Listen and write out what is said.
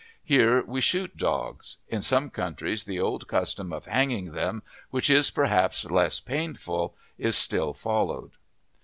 Here we shoot dogs; in some countries the old custom of hanging them, which is perhaps less painful, is still followed.